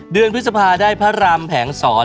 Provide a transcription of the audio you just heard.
เดือนพฤษภาคมได้พระรำแผงศร